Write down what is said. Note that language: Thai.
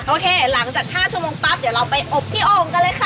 หลังจาก๕ชั่วโมงปั๊บเดี๋ยวเราไปอบที่โอ่งกันเลยค่ะ